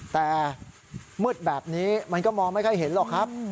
แต่มืดแบบนี้มันก็มองไม่ค่อยเห็นหรอกครับ